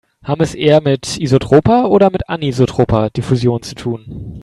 Haben wir es eher mit isotroper oder mit anisotroper Diffusion zu tun?